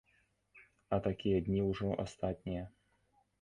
А такія дні ўжо астатнія.